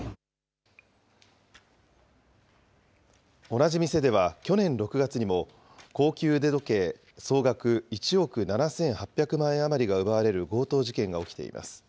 同じ店では去年６月にも、高級腕時計総額１億７８００万円余りが奪われる強盗事件が起きています。